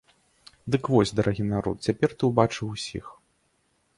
Дык вось, дарагі народ, цяпер ты ўбачыў усіх.